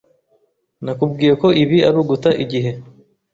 Nakubwiye ko ibi ari uguta igihe.